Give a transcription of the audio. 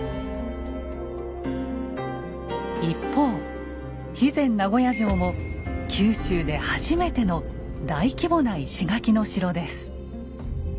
一方肥前名護屋城も九州で初めての大規模な石垣の城です。